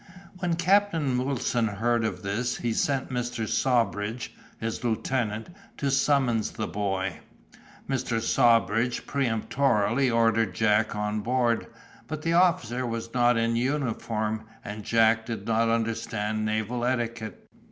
When Captain Wilson heard of this he sent Mr. Sawbridge, his lieutenant, to summon the boy. Mr. Sawbridge peremptorily ordered Jack on board; but the officer was not in uniform, and Jack did not understand naval etiquette.